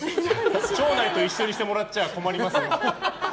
町内と一緒にしてもらっちゃあ困ります。